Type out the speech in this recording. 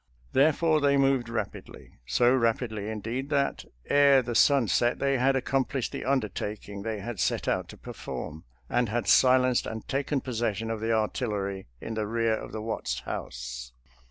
Therefore, they moved rapidly — so rapidly, indeed, that ere the sun set they had accomplished the undertaking they had set out to perform, and had silenced and taken possession of the artillery in the rear of the Watts house.